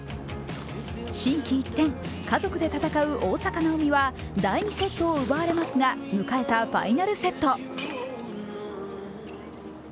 心機一転、家族で戦う大坂なおみは第２セットを奪われますが、迎えたファイナルセット。